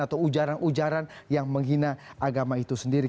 atau ujaran ujaran yang menghina agama itu sendiri